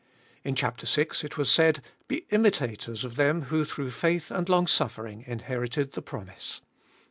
In chap. vi. it was said : Be imitators of them who through faith and longsufifering inherited the promise.